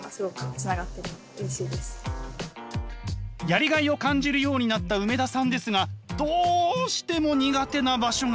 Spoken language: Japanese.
やりがいを感じるようになった梅田さんですがどうしても苦手な場所が。